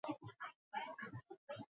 Defentsek, ordea, absoluzioa eskatu zuten.